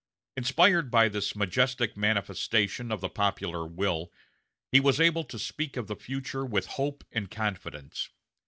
Inspired by this majestic manifestation of the popular will, he was able to speak of the future with hope and confidence.